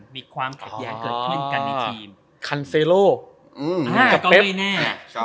มีความแข็งแยกเกิดขึ้นกันในทีม